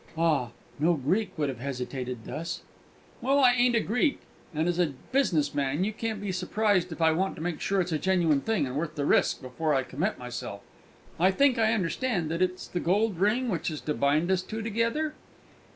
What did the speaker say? Ah! no Greek would have hesitated thus." "Well, I ain't a Greek; and, as a business man, you can't be surprised if I want to make sure it's a genuine thing, and worth the risk, before I commit myself. I think I understand that it's the gold ring which is to bind us two together?"